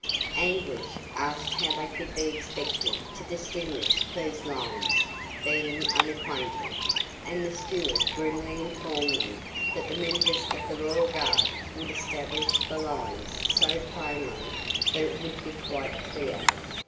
Anguish asked how they could be expected to distinguish these lines, being unacquainted, and the steward grimly informed them that the members of the royal guard would establish the lines so plainly that it would be quite clear.